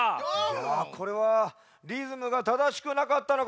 いやこれはリズムがただしくなかったのかもしれんな。